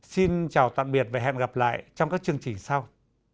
xin chào tạm biệt và hẹn gặp lại trong các chương trình sau